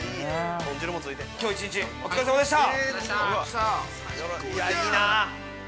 ◆きょう１日お疲れさまでした。